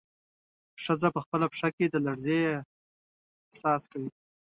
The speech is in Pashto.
ښځه په خپله پښه کې د لړزې احساس کوي.